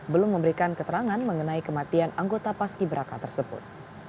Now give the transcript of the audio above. belum memberikan keterangan mengenai kematian anggota paski beraka tersebut